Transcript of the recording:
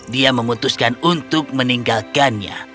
dia memutuskan untuk menikmati kuda